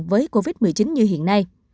với covid một mươi chín như hiện nay